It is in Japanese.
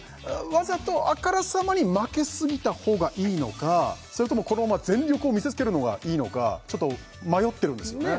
わざとあからさまに負け過ぎたほうがいいのかそれともこのまま全力を見せつけるのがいいのかちょっと迷ってるんですよね